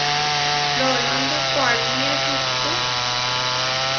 Rolándo koʼaníe suhtú.